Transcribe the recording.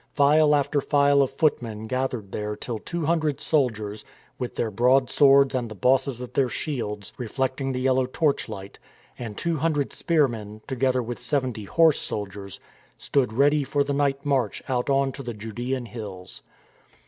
File after file of footmen gathered there till two hundred soldiers, with their broad swords and the bosses of their shields reflecting the yellow torch light, and two hundred spearmen, together with seventy horse soldiers, stood ready for the night march out on to the Judaean hills.